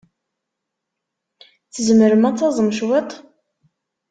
Tzemrem ad taẓem cwiṭ?